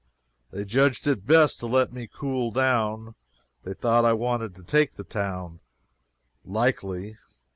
They judged it best to let me cool down. They thought I wanted to take the town, likely.